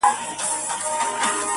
په دقيقه کي مسلسل له دروازې وځم!